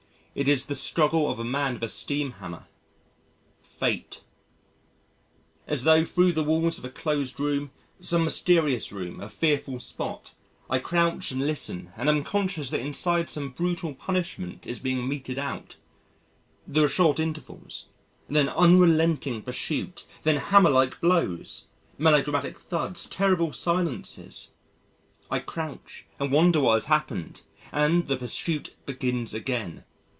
It is the struggle of a man with a steam hammer Fate. As tho' thro' the walls of a closed room some mysterious room, a fearful spot I crouch and listen and am conscious that inside some brutal punishment is being meted out there are short intervals, then unrelenting pursuit, then hammerlike blows melodramatic thuds, terrible silences (I crouch and wonder what has happened), and the pursuit begins again.